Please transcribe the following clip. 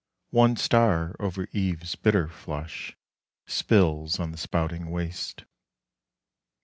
One star over eve's bitter flush Spills on the spouting waste.